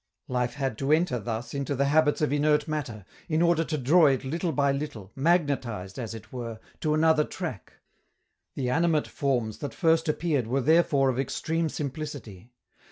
Life had to enter thus into the habits of inert matter, in order to draw it little by little, magnetized, as it were, to another track. The animate forms that first appeared were therefore of extreme simplicity.